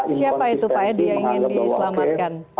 inconsistenci menganggap bahwa